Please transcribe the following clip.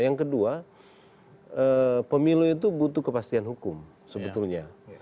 yang kedua pemilu itu butuh kepastian hukum sebetulnya